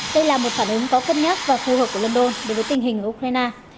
đây là một phản ứng khó cân nhắc và phù hợp của london đối với tình hình ở ukraine